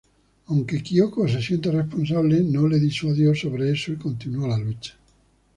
Aunque Kyoko se siente responsable, no le disuadió sobre eso y continuó la lucha.